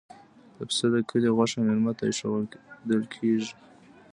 د پسه د کلي غوښه میلمه ته ایښودل کیږي.